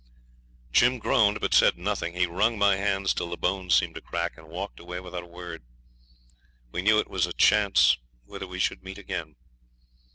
Jim groaned, but said nothing. He wrung my hands till the bones seemed to crack, and walked away without a word. We knew it was a chance whether we should meet again.